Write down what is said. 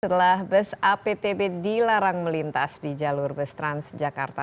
setelah bus aptb dilarang melintas di jalur bus transjakarta